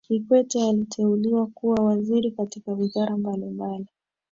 kikwete aliteuliwa kuwa waziri katika wizara mbalimbali